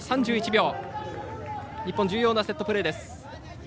日本、重要なセットプレーです。